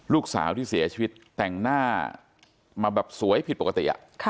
ลูกสาวที่เสียชีวิตแต่งหน้ามาแบบสวยผิดปกติ